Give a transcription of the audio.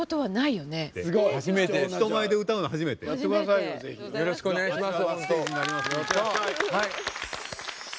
よろしくお願いします。